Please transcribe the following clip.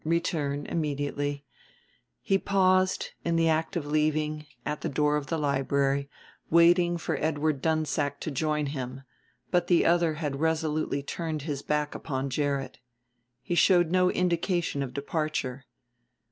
Return immediately. He paused, in the act of leaving, at the door of the library, waiting for Edward Dunsack to join him; but the other had resolutely turned his back upon Gerrit. He showed no indication of departure.